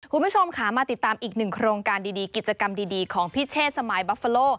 คุณผู้ชมค่ะมาติดตามอีกหนึ่งโครงการดีกิจกรรมดีของพี่เชษสมายบัฟเฟอร์โล